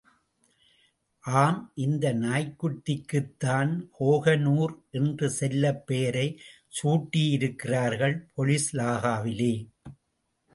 ஆம் இந்த நாய்க்குட்டிக்குத்தான் கோஹினூர் என்ற செல்லப் பெயரைச் சூட்டியிருக்கிறார்கள் போலீஸ் இலாகாவிலே!